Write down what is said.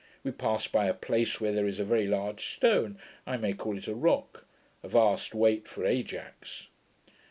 We passed by a place where there is a very large stone, I may call it a ROCK 'a vast weight for Ajax'.